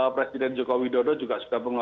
presiden joko widodo juga sudah